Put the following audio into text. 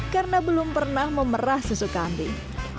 karena belum pernah memerah susu kambing